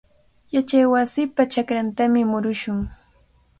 Yachaywasipa chakrantami murushun.